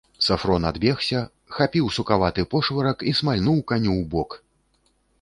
Сафрон адбегся, хапіў сукаваты пошвырак і смальнуў каню ў бок.